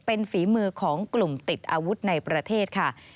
เป็นฝีมือของกลุ่มติดอาวุธในประเทศค่ะ